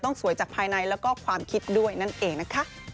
สวยจากภายในแล้วก็ความคิดด้วยนั่นเองนะคะ